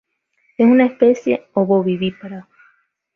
Es una especie ovovivípara.